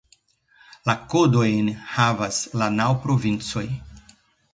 La kodojn havas la naŭ provincoj.